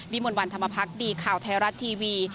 บิมวนวันธรรมภักดิ์ข่าวไทยรัตทีวี